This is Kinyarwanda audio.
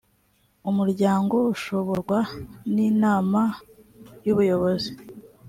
umuryango uyoborwa n inama y ubuyobozi